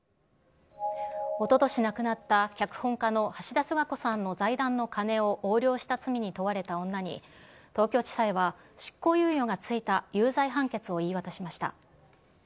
おととし亡くなった脚本家の橋田壽賀子さんの財団の金を横領した罪に問われた女に、東京地裁は、執行猶予が付いた有罪判決を言い渡しました。